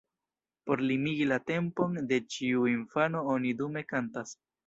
Por limigi la tempon de ĉiu infano oni dume kantas.